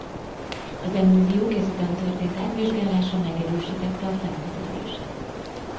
Az emulziók ezután történt átvizsgálása megerősítette a felfedezést.